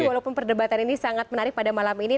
walaupun perdebatan ini sangat menarik pada malam ini